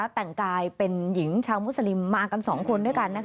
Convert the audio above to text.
แต่งกายเป็นหญิงชาวมุสลิมมากัน๒คนด้วยกัน